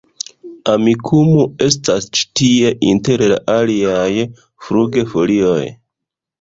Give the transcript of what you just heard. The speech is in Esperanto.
Amikumu estas ĉi tie inter la aliaj flugfolioj